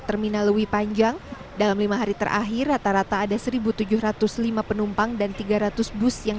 terminal lewi panjang dalam lima hari terakhir rata rata ada seribu tujuh ratus lima penumpang dan tiga ratus bus yang